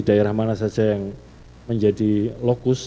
daerah mana saja yang menjadi lokus